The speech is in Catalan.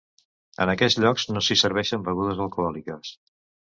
En aquests llocs no s'hi serveixen begudes alcohòliques.